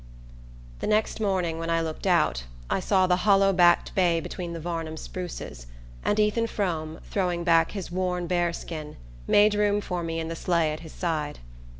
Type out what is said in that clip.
The next morning, when I looked out, I saw the hollow backed bay between the Varnum spruces, and Ethan Frome, throwing back his worn bearskin, made room for me in the sleigh at his side.